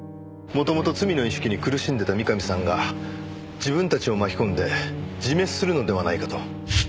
元々罪の意識に苦しんでた三上さんが自分たちを巻き込んで自滅するのではないかと。